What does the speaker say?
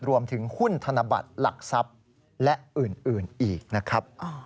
รวมถึงหุ้นธนบัตรหลักทรัพย์และอื่นอีกนะครับ